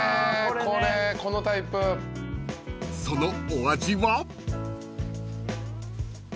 ［そのお味は？］